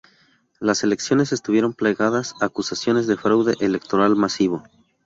Las elecciones estuvieron plagadas de acusaciones de fraude electoral masivo.